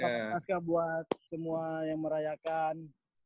selamat pascah buat semua yang merayakan